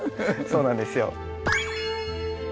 そうなんですよ。